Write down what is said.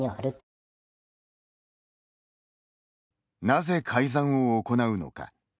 なぜ改ざんを行うのか。